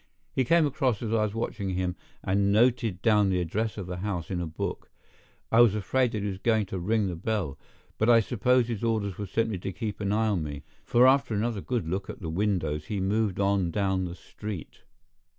He came across as I was watching him, and noted down the address of the house in a book. I was afraid that he was going to ring at the bell, but I suppose his orders were simply to keep an eye on me, for after another good look at the windows he moved on down the street.